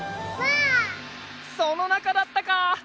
そのなかだったか！